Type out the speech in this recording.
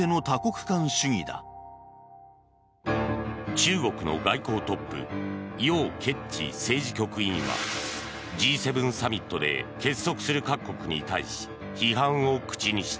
中国の外交トップヨウ・ケツチ政治局委員はＧ７サミットで結束する各国に対し、批判を口にした。